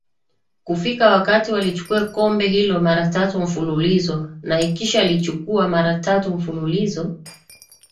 kufika wakati walichukue kombe hilo mara tatu mfululizo na ikishalichukua mara tatu mfululizo